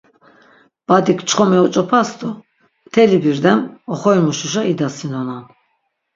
Badik çxomi oç̆opas do mteli birdem oxorimuşişa idasinonan.